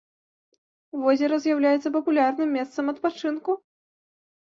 Возера з'яўляецца папулярным месцам адпачынку.